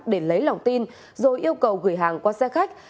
để lấy lòng tin rồi yêu cầu gửi hàng qua xe khách